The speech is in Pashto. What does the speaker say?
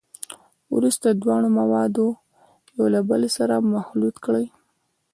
وروسته دواړه مواد یو له بل سره مخلوط کړئ.